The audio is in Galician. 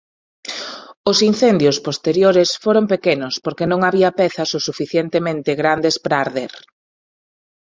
Os incendios posteriores foron pequenos porque non habían pezas o suficientemente grandes para arder.